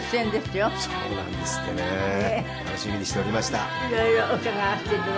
楽しみにしておりました。